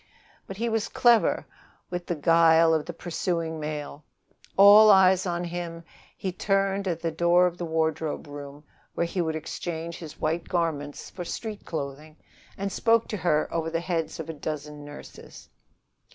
But he was clever with the guile of the pursuing male. Eyes of all on him, he turned at the door of the wardrobe room, where he would exchange his white garments for street clothing, and spoke to her over the heads of a dozen nurses.